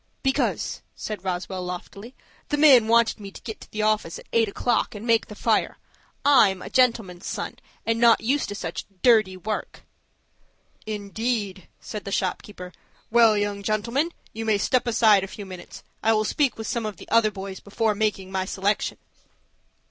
"Because," said Roswell, loftily, "the man wanted me to get to the office at eight o'clock, and make the fire. I'm a gentleman's son, and am not used to such dirty work." "Indeed!" said the shop keeper. "Well, young gentleman, you may step aside a few minutes. I will speak with some of the other boys before making my selection."